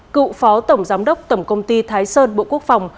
cựu phó tổng giám đốc tổng công ty thái sơn bộ quốc phòng